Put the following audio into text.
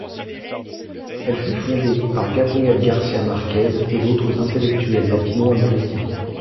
Elle fut fondée par Gabriel García Márquez et d'autres intellectuels latino-américains.